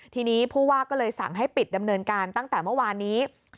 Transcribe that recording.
ทีนี้ผู้ว่าก็เลยสั่งให้ปิดดำเนินการตั้งแต่เมื่อวานนี้